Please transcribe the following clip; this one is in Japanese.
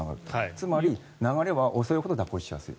つまり、流れは遅いほど蛇行しやすい。